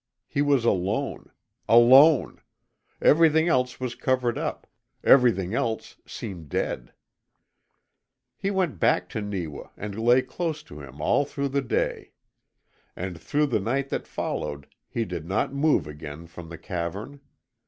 He was alone. ALONE! Everything else was covered up; everything else seemed dead. He went back to Neewa and lay close to him all through the day. And through the night that followed he did not move again from the cavern.